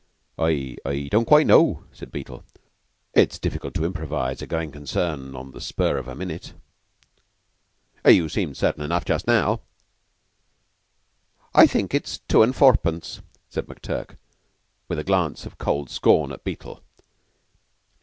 "I I don't quite know," said Beetle. It is difficult to improvise a going concern on the spur of the minute. "You seemed certain enough just now." "I think it's two and fourpence," said McTurk, with a glance of cold scorn at Beetle.